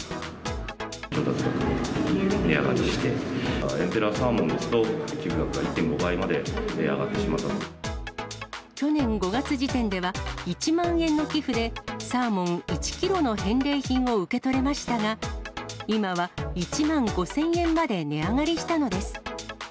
調達額が値上がりして、エンペラーサーモンですと、寄付額が１．５倍まで値上がって去年５月時点では、１万円の寄付でサーモン１キロの返礼品を受け取れましたが、今は１万５０００円まで値上がりしたのです。